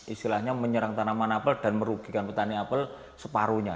istilahnya menyerang tanaman apel dan merugikan petani apel separuhnya